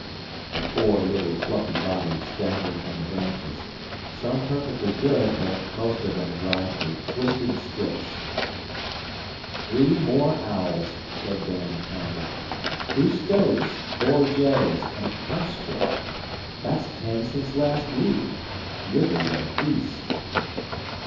The poor little fluffy bodies dangled from the branches some perfectly good, but most of them dried to twisted strips. 'Three more owls,' said Dan, counting. 'Two stoats, four jays, and a kestrel. That's ten since last week. Ridley's a beast.